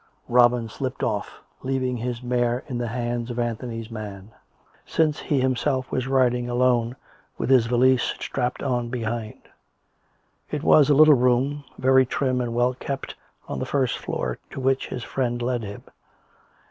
Robin slipped off, leaving his mare in the hands of Anthony's man, since he himself was riding alone, with his valise strapped on behind. It was a little room, very trim and well kept, on the first floor, to which his friend led him.